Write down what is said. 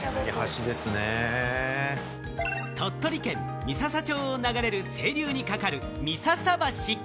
鳥取県三朝町を流れる清流にかかる三朝橋。